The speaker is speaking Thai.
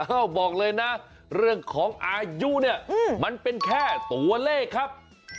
บอกเลยนะเรื่องของอายุเนี่ยมันเป็นแค่ตัวเลขครับ